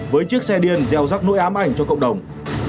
với chiếc xe điên gieo rắc nỗi ám ảnh cho cộng đồng